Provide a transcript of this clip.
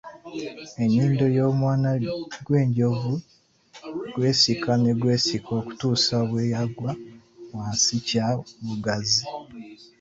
Ennyindo y'omwana gw'enjovu gwesika ne gwesika okutuusa bwe yagwa wansi kya bugazi.